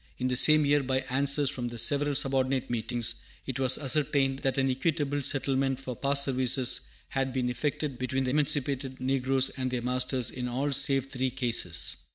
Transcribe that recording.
In the same year, by answers from the several subordinate meetings, it was ascertained that an equitable settlement for past services had been effected between the emancipated negroes and their masters in all save three cases.